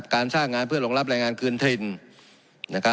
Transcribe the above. การสร้างงานเพื่อรองรับแรงงานคืนถิ่น